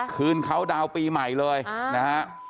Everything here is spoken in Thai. คืนเขาดาวน์ปีใหม่เลยนะฮะ